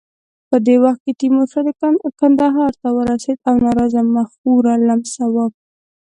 په دې وخت کې تیمورشاه کندهار ته ورسېد او ناراضه مخورو لمساوه.